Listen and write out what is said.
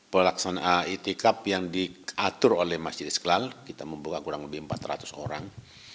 pelaksanaan itikaf yang diatur oleh masjid istiqlal kita membuka kurang lebih empat ratus orang